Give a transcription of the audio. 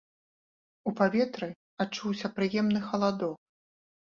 У паветры адчуўся прыемны халадок.